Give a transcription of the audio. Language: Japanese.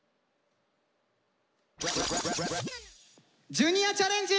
「ジュニアチャレンジ」！